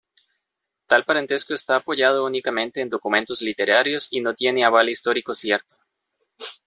Tal parentesco está apoyado únicamente en documentos literarios y no tiene aval histórico cierto.